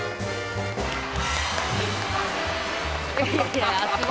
いやすごい。